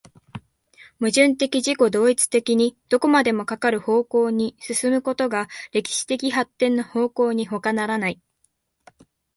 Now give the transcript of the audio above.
矛盾的自己同一的にどこまでもかかる方向に進むことが歴史的発展の方向にほかならない。